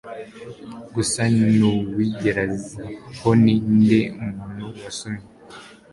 gusa n'uwigerezahoni nde muntu wasomye